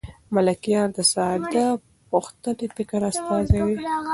ملکیار د ساده پښتني فکر استازی دی.